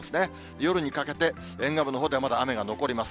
夜にかけて、沿岸部のほうでは、まだ雨が残ります。